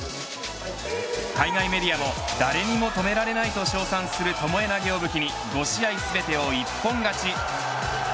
海外メディアも誰にも止められないと称賛する巴投げを武器に５試合全てを一本勝ち。